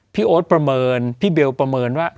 โอ๊ตประเมินพี่เบลประเมินว่า